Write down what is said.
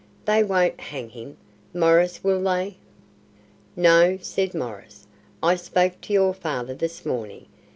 They won't hang him, Maurice, will they?" "No," said Maurice. "I spoke to your father this morning.